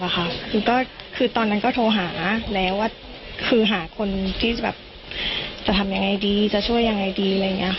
คือตอนนั้นก็โทรหาแล้วว่าคือหาคนที่จะทำยังไงดีจะช่วยยังไงดี